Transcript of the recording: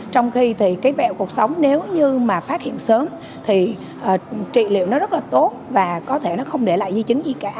trong khi thì cái bẹo cuộc sống nếu như mà phát hiện sớm thì trị liệu nó rất là tốt và có thể nó không để lại di chứng gì cả